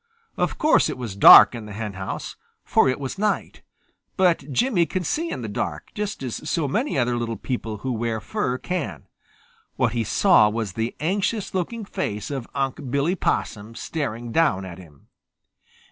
Of course it was dark in the henhouse, for it was night, but Jimmy can see in the dark, just as so many other little people who wear fur can. What he saw was the anxious looking face of Unc' Billy Possum staring down at him.